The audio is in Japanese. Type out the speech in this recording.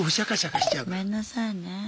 ごめんなさいね。